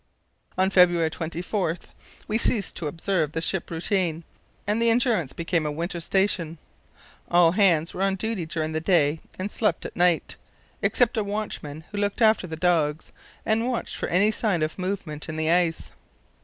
On February 24 we ceased to observe ship routine, and the Endurance became a winter station. All hands were on duty during the day and slept at night, except a watchman who looked after the dogs and watched for any sign of movement in the ice.